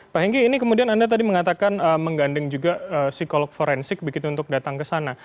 pak hengki ini kemudian anda tadi mengatakan menggandeng juga psikolog forensik begitu untuk datang ke sana